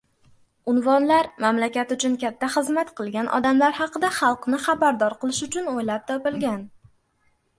Unvonlar mamlakat uchun katta xizmat qilgan odamlar haqida xalqni xabardor qilish uchun oʻylab topilgan.